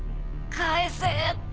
返せ。